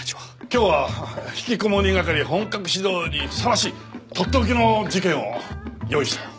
今日はひきこもり係本格始動にふさわしいとっておきの事件を用意したよ。